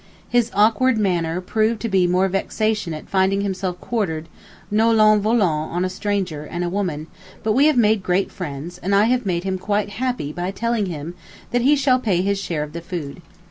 His odd awkward manner proved to be mere vexation at finding himself quartered nolens volens on a stranger, and a woman; but we have made great friends, and I have made him quite happy by telling him that he shall pay his share of the food.